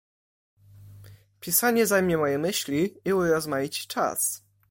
"Pisanie zajmie moje myśli i urozmaici czas."